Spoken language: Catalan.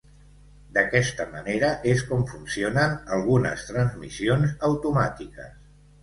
D'aquesta manera és com funcionen algunes transmissions automàtiques.